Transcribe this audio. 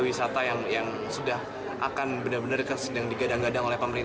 bioplastik itu berkisar dari angka empat ratus rupiah sampai seribu seratus